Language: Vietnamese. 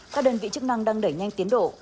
các đơn vị chức năng đang đẩy nhanh tiến độ